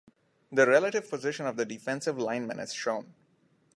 The relative position of the defensive linemen is shown.